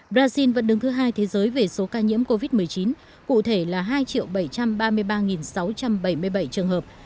brazil vẫn đứng thứ hai thế giới về số ca nhiễm covid một mươi chín cụ thể là hai bảy trăm ba mươi ba sáu trăm bảy mươi bảy trường hợp